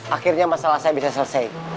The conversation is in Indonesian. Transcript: akhirnya masalah saya bisa selesai